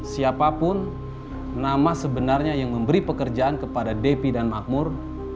siapapun nama sebenarnya yang memberi pekerjaan kepada depi dan makmur